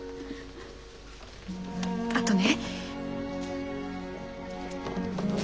あとね。